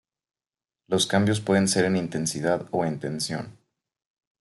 Los cambios pueden ser en intensidad o en tensión.